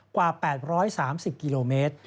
กว่า๘๓๐กิโลเมตร